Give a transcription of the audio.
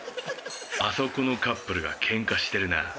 あそこのカップルがケンカしてるな。